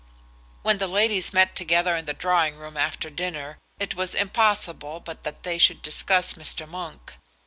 When the ladies met together in the drawing room after dinner, it was impossible but that they should discuss Mr. Monk.